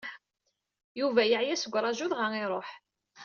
Yuba yeɛya seg uraju dɣa iruḥ.